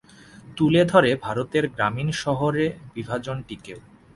তুলে ধরে ভারতের গ্রামীণ-শহুরে বিভাজনটিকেও।